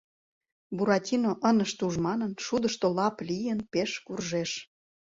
Буратино, ынышт уж манын, шудышто лап лийын пеш куржеш.